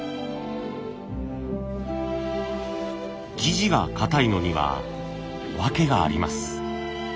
生地がかたいのには訳があります。